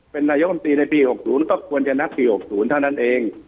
เป็นนายกรรมตรีในปีหกศูนย์ก็ควรจะนักปีหกศูนย์เท่านั้นเอง